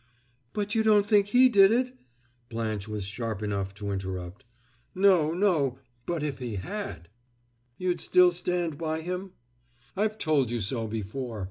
"But you don't think he did it!" Blanche was sharp enough to interrupt. "No no but if he had!" "You'd still stand by him?" "I've told you so before.